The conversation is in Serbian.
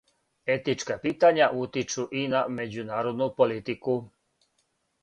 Етичка питања утичу и на међународну политику.